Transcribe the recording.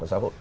ở xã hội